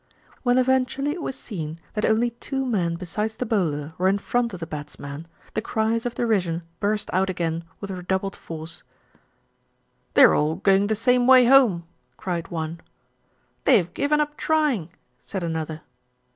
When eventually it was seen that only two men be sides the bowler were in front of the batsman, the cries of derision burst out again with redoubled force. "They're all going the same way home," cried one. "They've given up trying," said another.